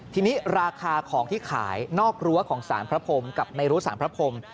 ทีนี้ราคาของที่ขายนอกรั้วของสารพระพรมกับในรั้วสารพระพรม